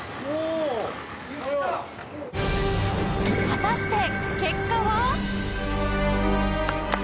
果たして結果は？